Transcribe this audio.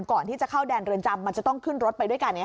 ก่อนที่จะเข้าแดนเรือนจำมันจะต้องขึ้นรถไปด้วยกัน